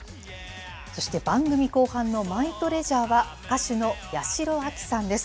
そして番組後半のマイトレジャーは、歌手の八代亜紀さんです。